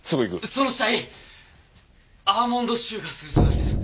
その死体アーモンド臭がするそうです。